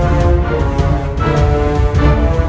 siapa itu bu